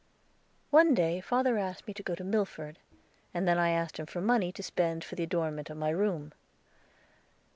One day father asked me to go to Milford, and I then asked him for money to spend for the adornment of my room.